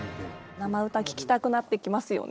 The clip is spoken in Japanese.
生歌聴きたくなってきますよね。